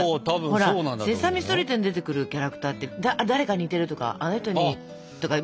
ほら「セサミストリート」に出てくるキャラクターって誰かに似てるとかあの人にとかみたいな。